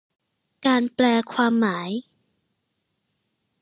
การแปลความหมาย